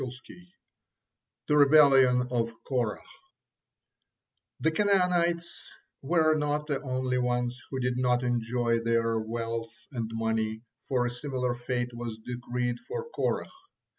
THE REBELLION OF KORAH The Canaanites were not the only ones who did not enjoy their wealth and money, for a similar fate was decreed for Korah.